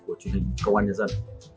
của truyền hình công an nhà dân